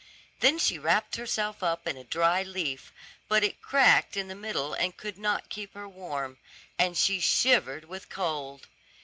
Then she wrapped herself up in a dry leaf, but it cracked in the middle and could not keep her warm, and she shivered with cold.